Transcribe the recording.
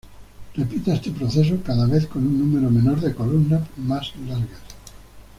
Repita este proceso, cada vez con un número menor de columnas más largas.